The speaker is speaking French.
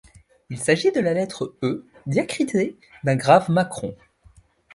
Il s'agit de la lettre E diacritée d'un grave-macron.